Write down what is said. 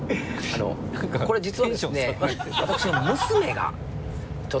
これ実はですねえっ？